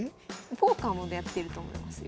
ポーカーもやってると思いますよ。